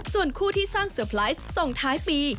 ส่วนคู่ที่สร้างเซอร์ไพรส์ส่งท้ายปี